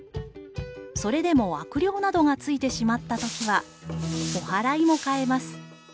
それでも悪霊などがついてしまったときはお祓いも買えます。